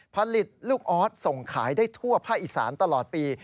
ผลิตลูกออสส่งขายได้ทั่วภาคอีสานตลอดปี